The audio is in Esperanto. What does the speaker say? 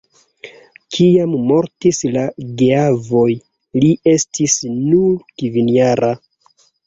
Kiam mortis la geavoj, li estis nur kvinjara.